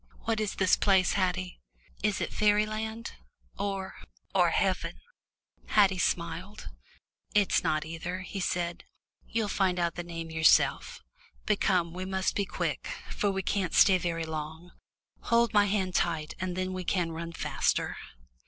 "What is this place, Haddie? Is it fairyland or or heaven?" Haddie smiled. "It's not either," he said. "You'll find out the name yourself. But come, we must be quick, for we can't stay very long. Hold my hand tight and then we can run faster."